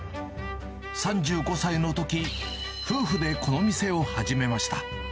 ３５歳のとき、夫婦でこの店を始めました。